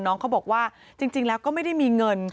น้องเขาบอกว่าจริงแล้วก็ไม่ได้มีเงิน